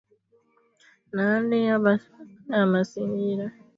na hali hiyo basi makala ya masingira leo dunia hapo kesho